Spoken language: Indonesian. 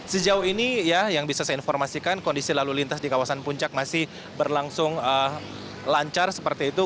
sejauh ini ya yang bisa saya informasikan kondisi lalu lintas di kawasan puncak masih berlangsung lancar seperti itu